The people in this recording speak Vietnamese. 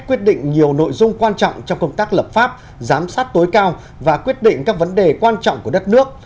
quyết định nhiều nội dung quan trọng trong công tác lập pháp giám sát tối cao và quyết định các vấn đề quan trọng của đất nước